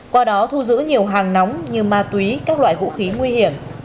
qua đó thu giữ nhiều hàng nóng như ma túy các loại vũ khí nguy hiểm